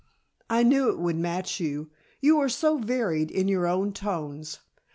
"I knew it would match you you are so varied in your own tones.